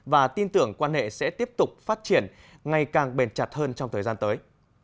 và tin tưởng quan hệ sẽ tiếp tục phát triển ngày càng bền chặt hơn trong thời gian tới